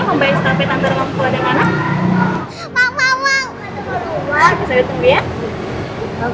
membayar skapet antara aku dan anak